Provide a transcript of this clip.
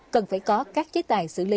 cần phải có các chế tài xử lý